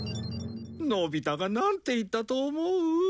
のび太がなんて言ったと思う？